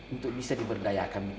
untuk bisa diberdayakan